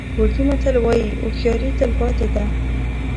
کوردي متل وایي هوښیاري تل پاتې ده.